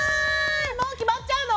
もう決まっちゃうの？